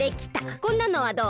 こんなのはどう？